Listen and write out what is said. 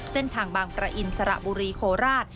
เส้นทางบางประอินสระบุรีโคราช